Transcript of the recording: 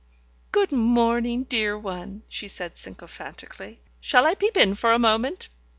... "Good morning, dear one," she said sycophantically. "Shall I peep in for a moment?"